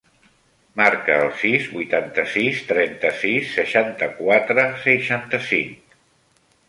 Marca el sis, vuitanta-sis, trenta-sis, seixanta-quatre, seixanta-cinc.